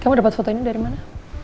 kamu dapat foto ini dari mana